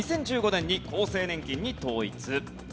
２０１５年に厚生年金に統一。